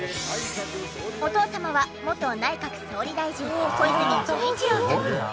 お父様は元内閣総理大臣小泉純一郎さん。